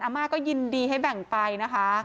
มาก็ยินดีให้แบ่งไปนะคะ